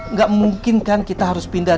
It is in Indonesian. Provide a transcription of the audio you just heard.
nggak memungkinkan kita harus pindah